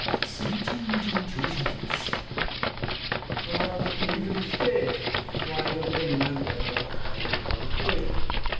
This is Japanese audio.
必ず首振りして、周りの所に何かないかとかいうのを見て。